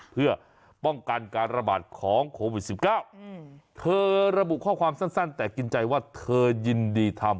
เพื่อป้องกันการระบาดของโควิด๑๙เธอระบุข้อความสั้นแต่กินใจว่าเธอยินดีทำ